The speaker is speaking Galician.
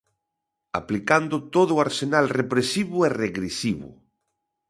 Aplicando todo o arsenal represivo e regresivo.